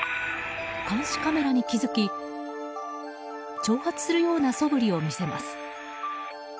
監視カメラに気付き挑発するようなそぶりを見せます。